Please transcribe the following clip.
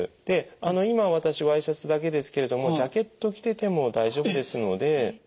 で今私ワイシャツだけですけれどもジャケット着てても大丈夫ですので。